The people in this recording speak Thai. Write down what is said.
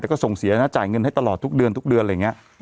แต่ก็ส่งเสียนะจ่ายเงินให้ตลอดทุกเดือนทุกเดือนอะไรอย่างนี้